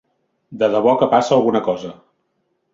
De debò que passa alguna cosa.